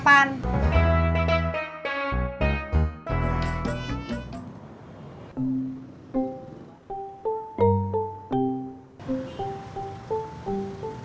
abang aku mau ambil sarapan